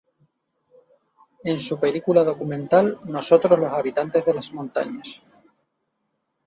En su película documental „Nosotros los habitantes de las montañas.